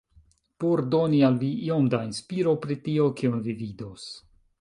Por doni al vi iom da inspiro pri tio, kion vi vidos